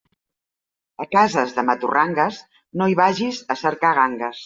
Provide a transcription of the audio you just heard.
A cases de maturrangues no hi vagis a cercar gangues.